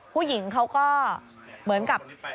ผู้หญิงเขาก็เหมือนกับ